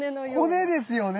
骨ですよね。